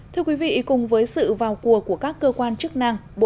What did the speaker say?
thưa quý vị cùng với sự vào cua của các cơ quan chức năng